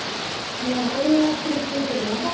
もうあんな苦しい時なかったからね